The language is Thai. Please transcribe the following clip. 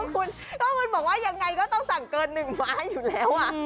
คุณก็คุณบอกว่ายังไงก็ต้องสั่งเกิน๑ไม้อยู่แล้ว